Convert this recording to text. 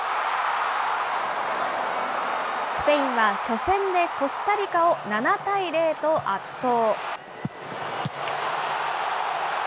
スペインは初戦でコスタリカを７対０と圧倒。